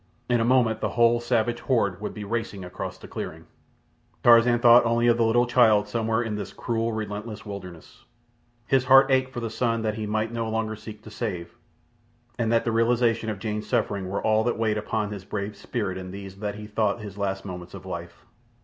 In a moment the whole savage horde would be racing across the clearing. Tarzan thought only of the little child somewhere in this cruel, relentless wilderness. His heart ached for the son that he might no longer seek to save—that and the realization of Jane's suffering were all that weighed upon his brave spirit in these that he thought his last moments of life.